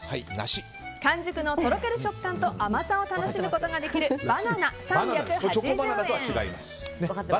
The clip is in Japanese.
完熟のとろける食感と甘さを楽しむことができるバナナ、３８０円。